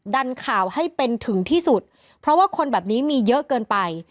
ดันข่าวให้เป็นถึงที่สุดเพราะว่าคนแบบนี้มีเยอะเกินไป